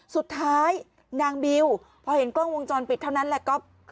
สุดท้ายนางบิวพอเห็นกล้องวงจรปิดเท่านั้นแหละก็